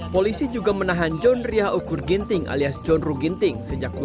polisi juga menahan john ria okur ginting alias john ruk ginting